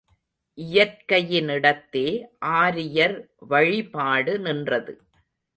இயற்கையினிடத்தே ஆரியர் வழிபாடு நின்றது.